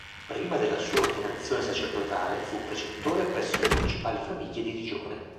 Prima della sua ordinazione sacerdotale fu precettore presso le principali famiglie di Digione.